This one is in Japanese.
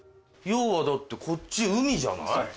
要はだってこっち海じゃない？